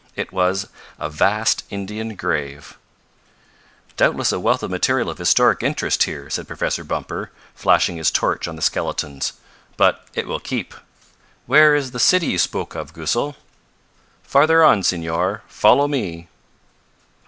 It was a vast Indian grave. "Doubtless a wealth of material of historic interest here," said Professor Bumper, flashing his torch on the skeletons. "But it will keep. Where is the city you spoke of, Goosal?" "Farther on, Senor. Follow me."